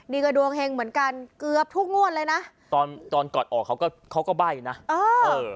นี่ก็ดวงเฮงเหมือนกันเกือบทุกงวดเลยนะตอนตอนก่อนออกเขาก็เขาก็ใบ้นะเออเออ